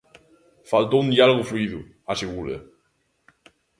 Faltou un diálogo fluído, asegura.